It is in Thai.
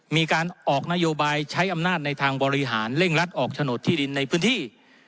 มีการออกนโยบายใช้อำนาจในทางบริหารเร่งรัดออกโฉนดที่ดินในพื้นที่